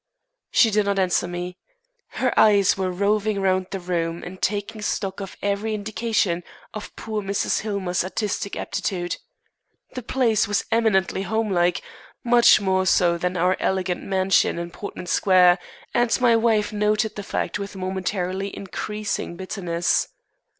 She did not answer me. Her eyes were roving round the room and taking stock of every indication of poor Mrs. Hillmer's artistic aptitude. The place was eminently home like, much more so than our elegant mansion in Portman Square, and my wife noted the fact with momentarily increasing bitterness.